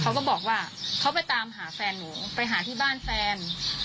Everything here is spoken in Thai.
เขาก็บอกว่าเขาไปตามหาแฟนหนูไปหาที่บ้านแฟน